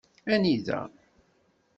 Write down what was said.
Anida?